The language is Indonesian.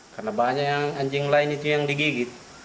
karena banyak yang anjing lain itu yang digigit